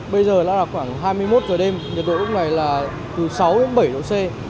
bây giờ là khoảng hai mươi một giờ đêm nhiệt độ lúc này là từ sáu đến bảy độ c